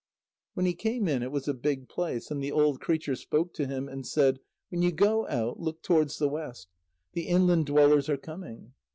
When he came in, it was a big place, and the old creature spoke to him, and said: "When you go out, look towards the west; the inland dwellers are coming."